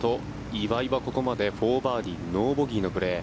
岩井はここまで４バーディーノーボギーのプレー。